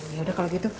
ya udah kalau gitu